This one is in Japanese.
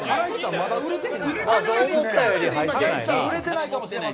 まだ売れてない？